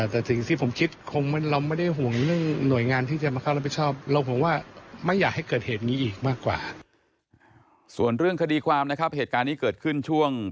แต่สิ่งที่ผมคิดคงเราไม่ได้ห่วงเรื่องหน่วยงานที่จะมาเข้ารับผิดชอบ